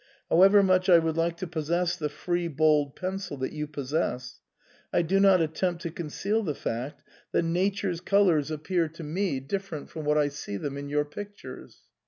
However much I would like to possess the free bold pencil that you possess, I do not attempt to conceal the fact that Nature's colours appear to me SIGNOR FORMICA. 79 different from what I see them in your pictures.